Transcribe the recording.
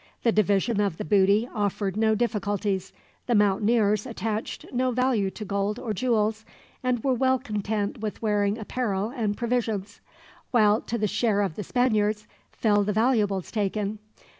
The division of the booty offered no difficulties. The mountaineers attached no value to gold or jewels, and were well content with wearing apparel and provisions; while to the share of the Spaniards fell the valuables taken.